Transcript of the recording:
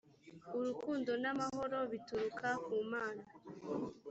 urukundo n’amahoro bituruka ku mana